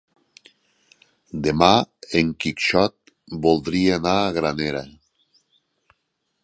Demà en Quixot voldria anar a Granera.